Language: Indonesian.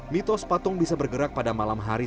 mitos patung bisa bergerak pada malam hari